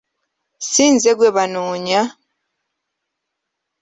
Si nze gwe banoonya!